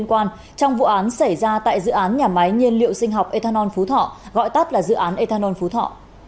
trong vụ án xảy ra tại dự án nhà máy nhiên liệu sinh học ethanol phú thọ gọi tắt là dự án ethanol phú thọ